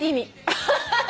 アハハハ！